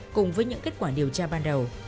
cùng với những kết quả điều tra ban đầu